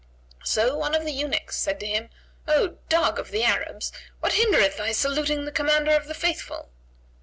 So one of the eunuchs said to him, "O dog of the Arabs, what hindereth thy saluting the Commander of the Faithful?"